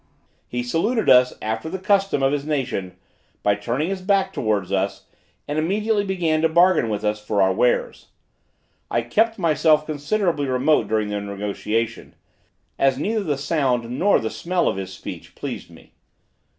He saluted us after the custom of his nation, by turning his back towards us, and immediately began to bargain with us for our wares. I kept myself considerably remote during the negotiation, as neither the sound nor the smell of his speech pleased me.